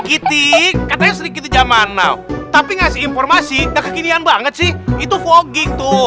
kitik katanya sedikit zaman now tapi ngasih informasi kekinian banget sih itu fogging tuh